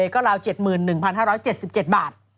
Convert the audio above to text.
ก็ราว๗๑๕๗๗บาท